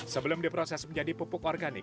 sebelum diproses menjadi pupuk organik